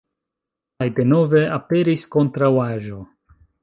Kaj denove aperis kontraŭaĵo.